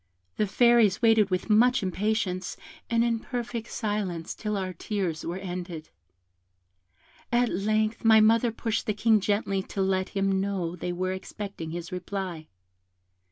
The Fairies waited with much impatience, and in perfect silence, till our tears were ended. At length my mother pushed the King gently to let him know they were expecting his reply.